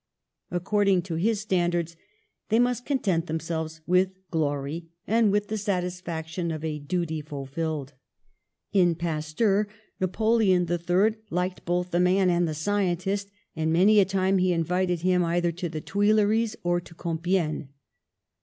Ac cording to his standards, they must content themselves with glory and with the satisfaction of a duty fulfilled. In Pasteur, Napoleon III liked both the man and the scientist, and many a time he invited him either to the Tuileries or to Compiegne.